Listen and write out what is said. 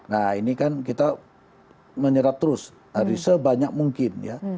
nah ini kan kita menyerap terus hari sebanyak mungkin ya